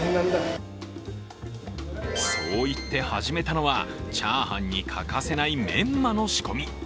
そう言って始めたのは、チャーハンに欠かせないメンマの仕込み。